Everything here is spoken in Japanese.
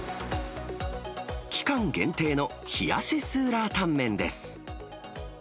期間限定の冷しスーラータンメンです。